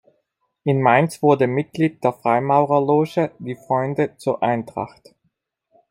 In Mainz wurde Mitglied der Freimaurerloge "Die Freunde zur Eintracht".